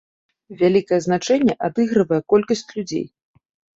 Вялікае значэнне адыгрывае колькасць людзей.